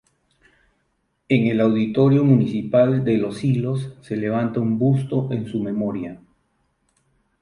En el auditorio municipal de Los Silos se levanta un busto en su memoria.